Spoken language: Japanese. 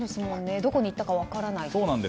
どこにいったか分からない。